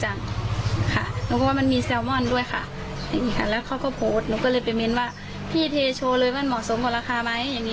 หรือแซมอนจากแน่นน้ำไหนเอามีเสียงแม่ค้าไปฟัง